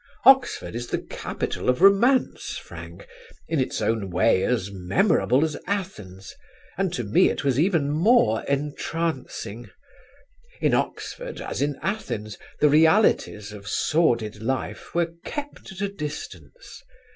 Oxford is the capital of romance, Frank; in its own way as memorable as Athens, and to me it was even more entrancing. In Oxford, as in Athens, the realities of sordid life were kept at a distance.